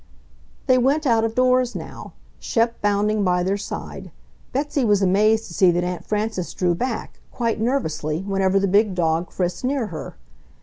They went out of doors now, Shep bounding by their side. Betsy was amazed to see that Aunt Frances drew back, quite nervously, whenever the big dog frisked near her.